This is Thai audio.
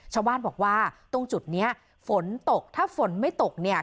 ชาวบ้านบอกว่าตรงจุดนี้ฝนตกถ้าฝนไม่ตกเนี่ย